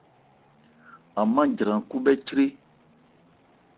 An mâ jran khúbhɛ́ chré.